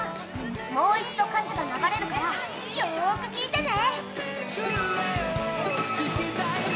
もう一度歌詞が流れるから、よーく聞いてね。